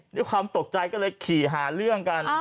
ด้วยความตกใจก็เลยขี่หาเรื่องกัน